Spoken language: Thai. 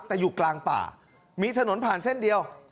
แต่อยู่กลางป่ามีถนนผ่านเส้นเดียว